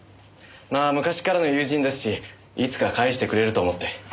まあ昔からの友人ですしいつか返してくれると思って。